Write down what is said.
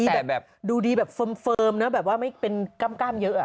บ๒๔แต่แบบดูดีแบบเวิร์มนะแบบว่าไม่เป็นกัมกร้ามเยอะ